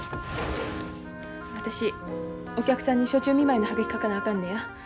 私お客さんに暑中見舞いの葉書書かなあかんのや。